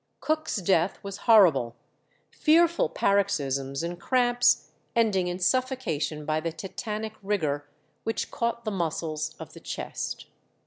Cook's death was horrible fearful paroxysms and cramps, ending in suffocation by the tetanic rigour which caught the muscles of the chest.